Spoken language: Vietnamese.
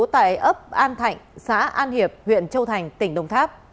tại ấp an thạnh xã an hiệp huyện châu thành tỉnh đồng tháp